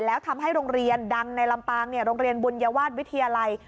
แล้วทำให้โรงเรียนดังในลำปางโรงเรียนบุญวาสวิทยาลัย